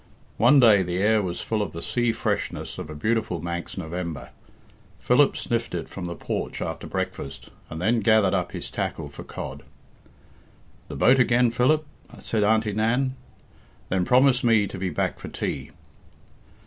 One day the air was full of the sea freshness of a beautiful Manx November. Philip sniffed it from the porch after breakfast and then gathered up his tackle for cod. "The boat again, Philip?" said Auntie Nan. "Then promise me to be back for tea."